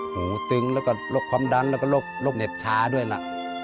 หูตึงแล้วก็โรคความดันแล้วก็โรคเหน็บชาด้วยนะ